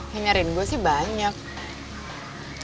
yang nyariin gue sih banyak